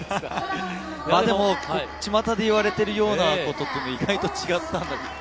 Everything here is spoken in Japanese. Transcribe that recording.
でも、ちまたで言われているようなことって意外と違ったんだっていう。